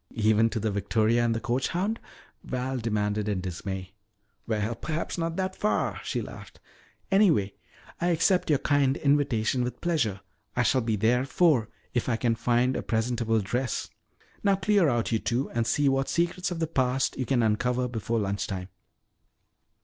"Even to the victoria and the coach hound?" Val demanded in dismay. "Well, perhaps not that far," she laughed. "Anyway, I accept your kind invitation with pleasure. I shall be there at four if I can find a presentable dress. Now clear out, you two, and see what secrets of the past you can uncover before lunch time."